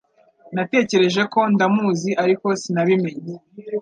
Natekereje ko ndamuzi ariko sinabimenye